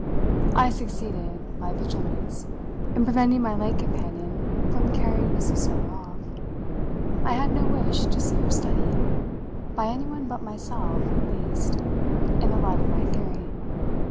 I succeeded, by vigilance, in preventing my late companion from carrying Mrs. Server off: I had no wish to see her studied by anyone but myself at least in the light of my theory.